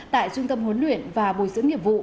tại trung tâm huấn luyện và bồi dưỡng nghiệp vụ